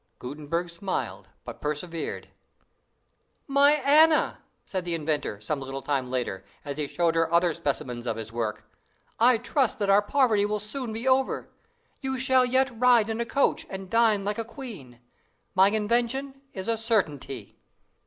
Gutenberg smiled, but persevered." "My Anna!" said the inventor, some little time later, as he showed her other specimens of his work, "I trust that our poverty will soon be over. You shall yet ride in a coach, and dine like a queen. My invention is a certainty."